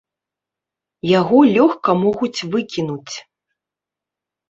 Яго лёгка могуць выкінуць.